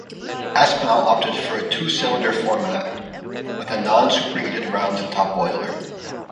Aspinall opted for a two-cylinder format with a non superheated round top boiler.